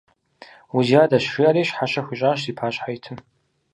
Узиадэщ, – жиӀэри щхьэщэ хуищӀащ зи пащхьэ итым.